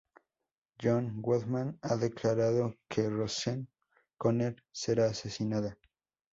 John Goodman ha declarado que Roseanne Conner será asesinada.